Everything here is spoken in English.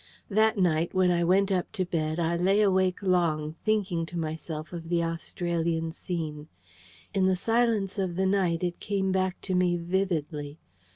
That night, when I went up to bed, I lay awake long, thinking to myself of the Australian scene. In the silence of the night it came back to me vividly.